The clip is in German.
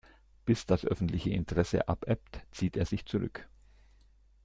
Bis das öffentliche Interesse abebbt, zieht er sich zurück.